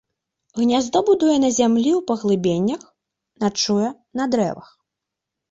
Гняздо будуе на зямлі ў паглыбленнях, начуе на дрэвах.